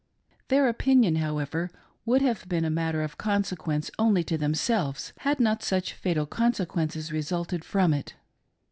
Their opinion, however, would have been a matter of consequence only to themselves, had not such fatal consequences resulted 326 THE ENEMY TO BE "CUT OFF." from it.